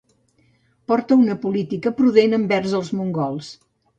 Portà una política prudent envers els mongols.